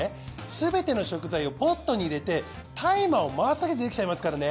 すべての食材をポットに入れてタイマーを回すだけでできちゃいますからね。